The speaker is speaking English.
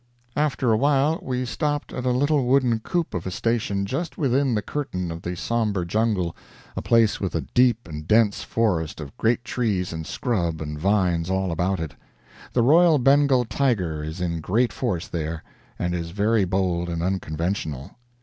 After a while we stopped at a little wooden coop of a station just within the curtain of the sombre jungle, a place with a deep and dense forest of great trees and scrub and vines all about it. The royal Bengal tiger is in great force there, and is very bold and unconventional.